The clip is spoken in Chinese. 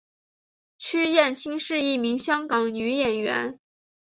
区燕青是一名香港女演员。